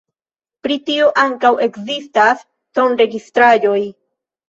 Pri tio ankaŭ ekzistas sonregistraĵoj.